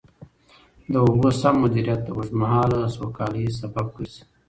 د اوبو سم مدیریت د اوږدمهاله سوکالۍ سبب ګرځي.